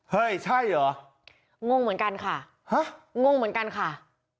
เฮ้ยใช่เหรองงเหมือนกันค่ะฮะงงเหมือนกันค่ะ